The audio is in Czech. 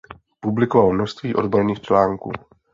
Publikoval množství odborných článků.